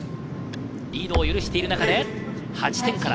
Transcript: リードを許してる中で８点から。